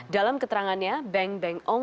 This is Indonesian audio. dalam keterangannya beng beng ong